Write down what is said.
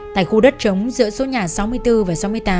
tại khu đất chống giữa số nhà sáu mươi bốn và sáu mươi tám